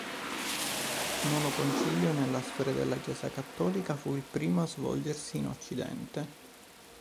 Nono concilio nella storia della Chiesa cattolica, fu il primo a svolgersi in Occidente.